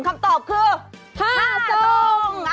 คำตอบคือ๕ทรง